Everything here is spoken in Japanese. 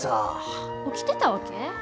起きてたわけ？